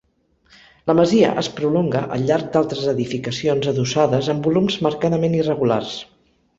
La masia es prolonga al llarg d'altres edificacions adossades amb volums marcadament irregulars.